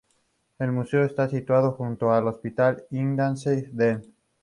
El museo está situado junto al Hospital Ignace Deen.